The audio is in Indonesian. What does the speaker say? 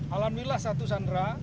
alhamdulillah satu sandra